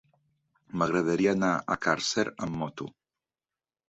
M'agradaria anar a Càrcer amb moto.